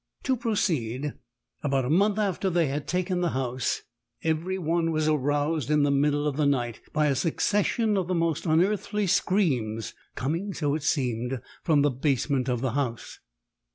"To proceed, about a month after they had taken the house, every one was aroused in the middle of the night by a succession of the most unearthly screams, coming, so it seemed, from the basement of the house.